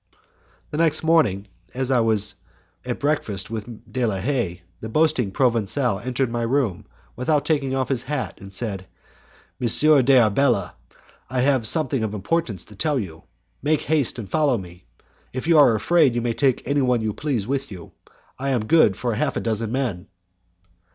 The next morning, as I was at breakfast with De la Haye, the boasting Provencal entered my room without taking off his hat, and said, "M. d'Arbela, I have something of importance to tell you; make haste and follow me. If you are afraid, you may take anyone you please with you. I am good for half a dozen men."